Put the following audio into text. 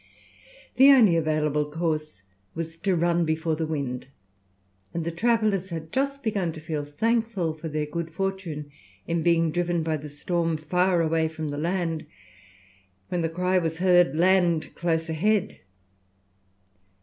The only available course was to run before the wind, and the travellers had just begun to feel thankful for their good fortune in being driven by the storm far away from the land, when the cry was heard, "Land close ahead!"